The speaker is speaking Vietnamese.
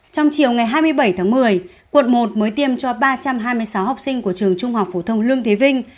trong chiều ngày hai mươi bảy tháng một mươi quận một mới tiêm cho ba trăm hai mươi sáu học sinh của trường trung học phổ thông lương thế vinh